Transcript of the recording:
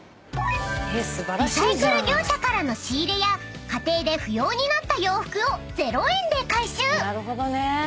［リサイクル業者からの仕入れや家庭で不要になった洋服を０円で回収］